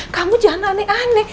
kamu jangan aneh aneh